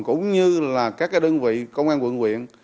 cũng như là các cái đơn vị công an quận huyện